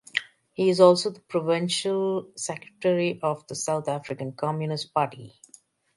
He is also the provincial secretary of the South African Communist Party.